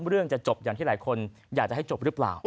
เรื่องจะจบอย่างที่หลายคนอยากจะให้จบหรือเปล่า